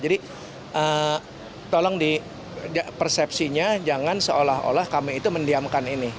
jadi tolong di persepsinya jangan seolah olah kami itu mendiamkan ini